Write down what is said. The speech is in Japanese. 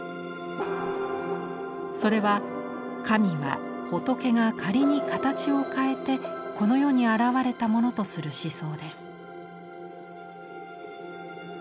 それは神は仏が権に形を変えてこの世に現れたものとする思想です。